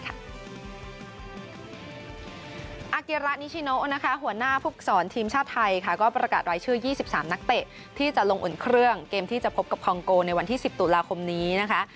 อาเกระนิชิโนนะคะหัวหน้าภูมิสอนทีมชาติไทยค่ะก็ประกาศรายชื่อ๒๓นักเตะที่จะลงอุ่นเครื่องเกมที่จะพบกับคองโกในวันที่๑๐ตุลาคมนี้นะคะ